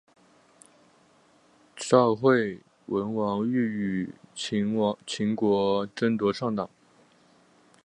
赵惠文王欲与秦国争夺上党。